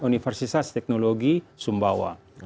universitas teknologi sumbawa